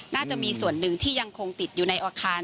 น่าจะมีส่วนหนึ่งที่ยังคงติดอยู่ในอาคาร